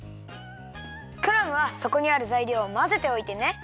クラムはそこにあるざいりょうをまぜておいてね。